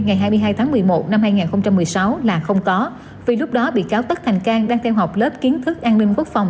ngày hai mươi hai tháng một mươi một năm hai nghìn một mươi sáu là không có vì lúc đó bị cáo tất thành cang đang theo học lớp kiến thức an ninh quốc phòng